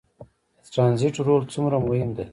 د ټرانزیټ رول څومره مهم دی؟